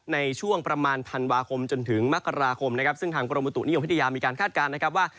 ในช่วงประมาณธันวาคมจนถึงมกราคมนะครับซึ่งทางกรมบุตุนิยมวิทยามีการคาดการณ์นะครับว่า